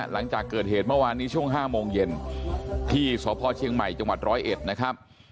หลังจากเกิดเหตุเมื่อวานนี้ช่วง๕โมงเย็นที่สพเชียงใหม่จังหวัดร้อยเอ็ดนะครับ